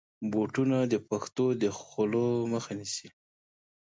بوټونه د پښو د خولو مخه نیسي.